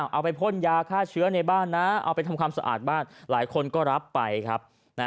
พ่นยาฆ่าเชื้อในบ้านนะเอาไปทำความสะอาดบ้านหลายคนก็รับไปครับ